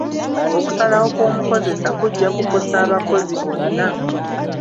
Okusalawo kw'omukozesa kujja kukosa abakozi bonna.